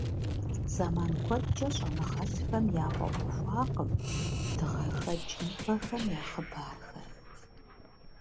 Зэман куэдкӀэ щӀэныгъэлӀхэм яфӀэӀуэхуакъым дыгъэхэкӀ мывэхэм я хъыбархэр.